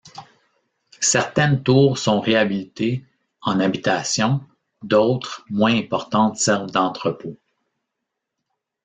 Certaines tours sont réhabilitées en habitation, d’autres moins importantes servent d’entrepôt.